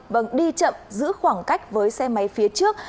vâng đi chậm giữ khoảng cách với xe máy phía trước